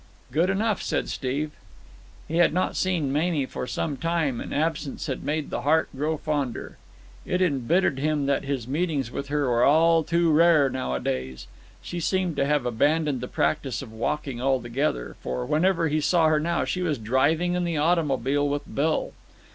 "Good enough," said Steve. He had not seen Mamie for some time, and absence had made the heart grow fonder. It embittered him that his meetings with her were all too rare nowadays. She seemed to have abandoned the practice of walking altogether, for, whenever he saw her now she was driving in the automobile with Bill.